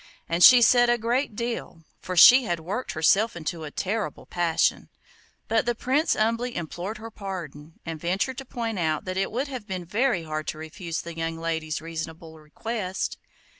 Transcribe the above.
And she said a great deal, for she had worked herself into a terrible passion; but the Prince humbly implored her pardon, and ventured to point out that it would have been very hard to refuse the young lady's reasonable request.